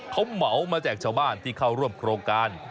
เขาเหมามาจากชาวบ้านที่เข้าร่วมโครงการ